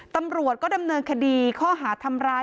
ตำรวจก็ดำเนินคดีข้อหาทำร้าย